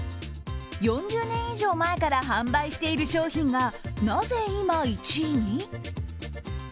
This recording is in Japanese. ４０年以上前から販売している商品が、なぜ今１位に？